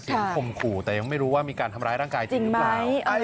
ข่มขู่แต่ยังไม่รู้ว่ามีการทำร้ายร่างกายจริงหรือเปล่า